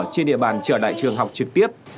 trên địa bàn trở đại trường học trực tiếp